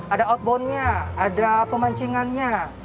ada outboundnya ada pemancingannya